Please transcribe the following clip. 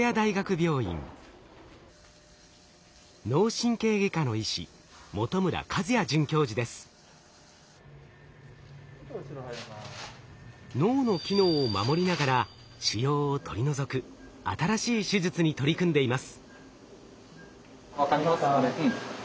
脳神経外科の医師脳の機能を守りながら腫瘍を取り除く新しい手術に取り組んでいます。